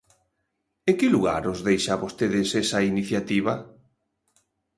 ¿En que lugar os deixa a vostedes esa iniciativa?